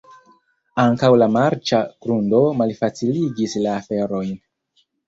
Ankaŭ la marĉa grundo malfaciligis la aferojn.